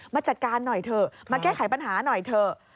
จัดการหน่อยเถอะมาแก้ไขปัญหาหน่อยเถอะ